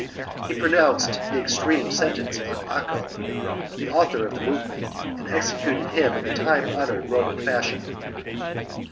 He pronounced the extreme sentence on Acco, the author of the movement, and executed him in the time honoured Roman fashion.